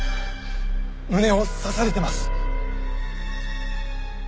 胸を刺されてます。